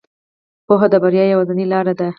پوهه د بریا یوازینۍ لاره ده.